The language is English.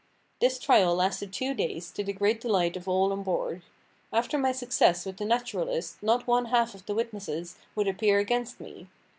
This trial lasted two days, to the great delight of all on board. After my success with the "naturalist" not one half of the witnesses would appear against me.